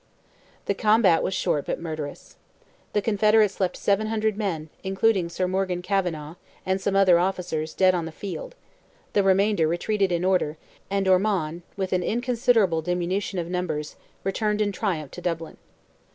The combat was short but murderous. The Confederates left 700 men, including Sir Morgan Cavenagh, and some other officers, dead on the field; the remainder retreated in disorder, and Ormond, with an inconsiderable diminution of numbers, returned in triumph to Dublin.